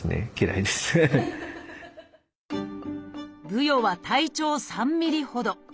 ブヨは体長３ミリほど。